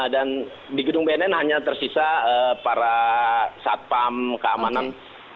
dan di gedung bnn hanya tersisa para satpam keamanan